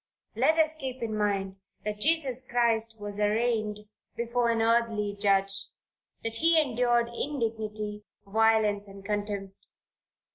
Let us keep in mind, that Jesus Christ was arraigned before an earthly judge, that he endured indignity, violence and contempt.